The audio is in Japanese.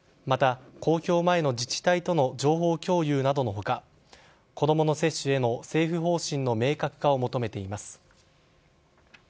また、公表前の自治体との情報共有の他子供の接種への政府方針の明確化を求めています。